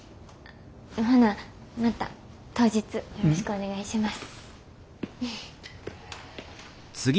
ほなまた当日よろしくお願いします。